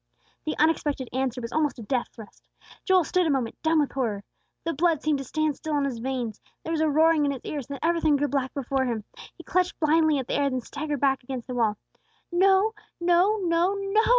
The unexpected answer was almost a death thrust. Joel stood a moment, dumb with horror. The blood seemed to stand still in his veins; there was a roaring in his ears; then everything grew black before him. He clutched blindly at the air, then staggered back against the wall. "No, no, no, NO!"